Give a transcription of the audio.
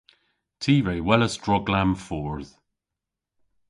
Ty re welas droglam fordh.